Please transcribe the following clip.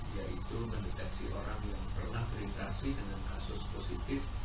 yaitu mendeteksi orang yang pernah berinteraksi dengan kasus positif